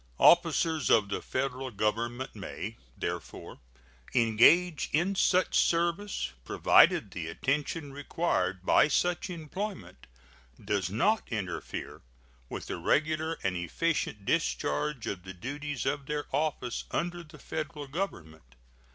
Officers of the Federal Government may therefore engage in such service, provided the attention required by such employment does not interfere with the regular and efficient discharge of the duties of their office under the Federal Government.